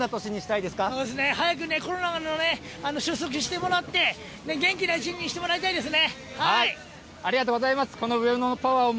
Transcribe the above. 早くコロナの収束してもらって、元気な一年にしてもらいたいですね。